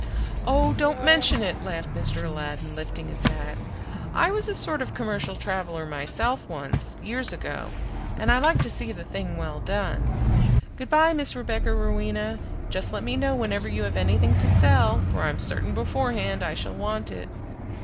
"Oh, don't mention it!" laughed Mr. Aladdin, lifting his hat. "I was a sort of commercial traveler myself once, years ago, and I like to see the thing well done. Good by Miss Rebecca Rowena! Just let me know whenever you have anything to sell, for I'm certain beforehand I shall want it."